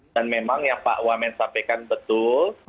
dan memang yang pak wamen sampaikan betul